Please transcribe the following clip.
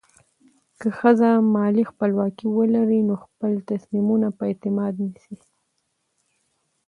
که ښځه مالي خپلواکي ولري، نو خپل تصمیمونه په اعتماد نیسي.